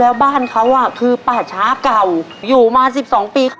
แล้วบ้านเขาคือป่าช้าเก่าอยู่มา๑๒ปี